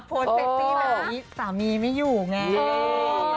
เซ็กซี่แบบนี้สามีไม่อยู่ไง